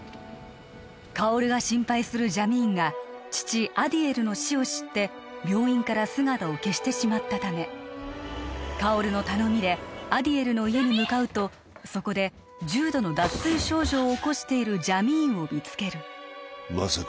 薫が心配するジャミーンが父アディエルの死を知って病院から姿を消してしまったため薫の頼みでアディエルの家に向かうとそこで重度の脱水症状を起こしているジャミーンを見つけるまさか